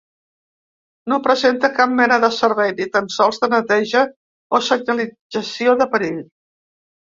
No presenta cap mena de servei, ni tan sols de neteja, o senyalització de perill.